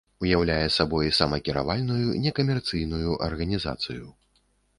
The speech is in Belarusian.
Уяўляе сабой самакіравальную некамерцыйную арганізацыю.